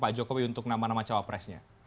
pak jokowi untuk nama nama cawapresnya